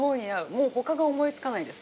もう、ほかが思いつかないです。